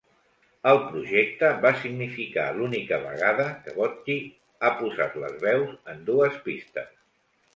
El projecte va significar l'única vegada que Botti ha posat les veus en dues pistes.